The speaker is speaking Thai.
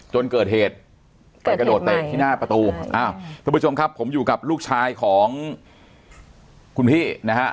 จนเกิดเหตุไปกระโดดเตะที่หน้าประตูอ้าวท่านผู้ชมครับผมอยู่กับลูกชายของคุณพี่นะฮะ